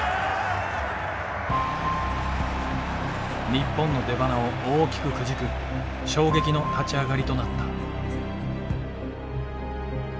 日本の出ばなを大きくくじく衝撃の立ち上がりとなった。